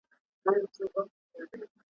د جنون غرغړې مړاوي زولانه هغسي نه ده `